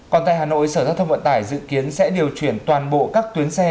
còn tại hà nội sở giao thông vận tải dự kiến sẽ điều chuyển toàn bộ các tuyến xe